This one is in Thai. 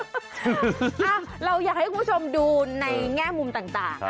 เราอยากให้คุณผู้ชมดูในแง่มุมต่าง